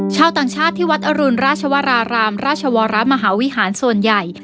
ชาวต่างชาติที่วัดอรุณราชวรารามราชวรมหาวิหารส่วนใหญ่